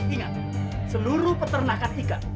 ingat seluruh peternakan ika